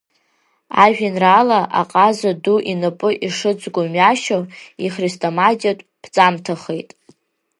Ажәеинраала аҟаза ду инапы ишыҵгоу мҩашьо, ихрестоматиатә ԥҵамҭахеит.